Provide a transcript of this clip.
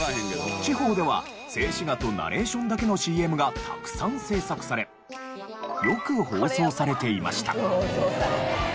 地方では静止画とナレーションだけのＣＭがたくさん制作されよく放送されていました。